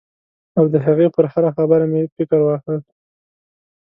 او د هغې پر هره خبره مې فکر واهه.